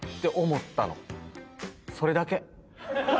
それだけ。